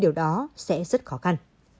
đó sẽ rất khó khăn